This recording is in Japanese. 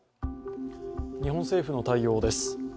日本政府の対応です。